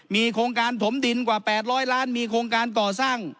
มีโครงการถมดินกว่า๘๐๐ล้านมีโครงการก่อสร้าง